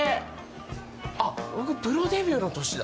あっ、僕プロデビューの年だ。